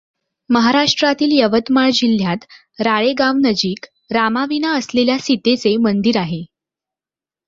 महाराष्ट्रातील यवतमाळ जिल्ह्यात राळेगावनजीक रामाविना असलेल्या सीतेचे मंदिर आहे.